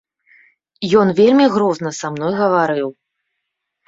Ён вельмі грозна са мной гаварыў.